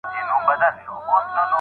دوو وروڼو جنګ وکړ، کم عقلو باور په وکړ.